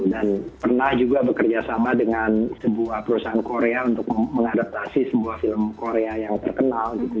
dan pernah juga bekerjasama dengan sebuah perusahaan korea untuk mengadaptasi sebuah film korea yang terkenal gitu